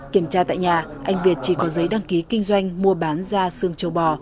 kiểm tra tại nhà anh việt chỉ có giấy đăng ký kinh doanh mua bán da xương trâu bò